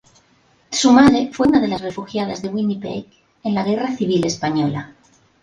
Su madre fue una de las refugiadas de Winnipeg en la Guerra Civil Española.